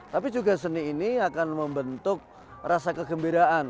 tapi juga seni ini akan membentuk rasa kegembiraan